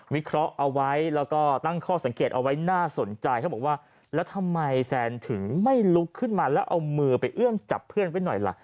เคราะห์เอาไว้แล้วก็ตั้งข้อสังเกตเอาไว้น่าสนใจเขาบอกว่าแล้วทำไมแซนถึงไม่ลุกขึ้นมาแล้วเอามือไปเอื้อมจับเพื่อนไว้หน่อยล่ะ